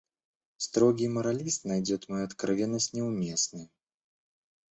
Строгий моралист найдет мою откровенность неуместною.